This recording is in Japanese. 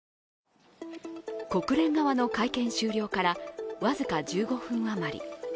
国連側の会見終了から僅か１５分余り。